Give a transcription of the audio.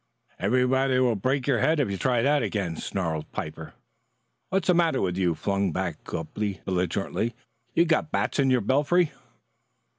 "Somebody will break your head if you try that again," snarled Piper. "What's the matter with you?" flung back Copley belligerently. "You've got bats in your belfry."